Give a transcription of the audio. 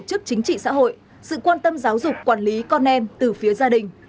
tổ chức chính trị xã hội sự quan tâm giáo dục quản lý con em từ phía gia đình